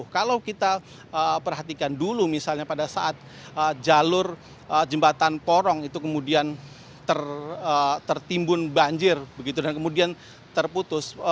kalau kita perhatikan dulu misalnya pada saat jalur jembatan porong itu kemudian tertimbun banjir begitu dan kemudian terputus